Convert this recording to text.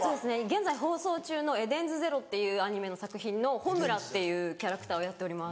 現在放送中の『ＥＤＥＮＳＺＥＲＯ』っていうアニメの作品のホムラっていうキャラクターをやっております。